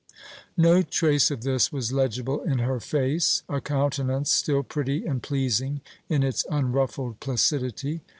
No trace of this was legible in her face, a countenance still pretty and pleasing in its unruffled placidity.